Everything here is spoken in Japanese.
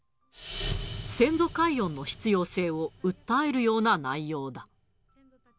先祖解怨の必要性を訴えるような内容だ。